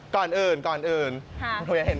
ก่อนอื่น